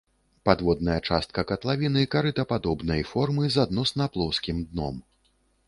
Падводная частка катлавіны карытападобнай формы з адносна плоскім дном.